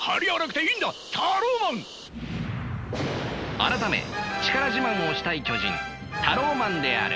改め力自慢をしたい巨人タローマンである。